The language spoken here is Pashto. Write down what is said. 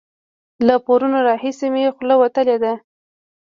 له پرونه راهسې مې خوله وتلې ده.